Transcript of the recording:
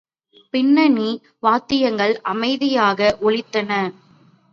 பின்னணி வாத்தியங்கள் அமைதியாக ஒலித்தன.